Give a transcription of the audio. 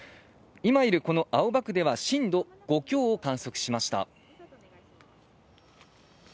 今いるこの青葉区では震度５強を観測しました。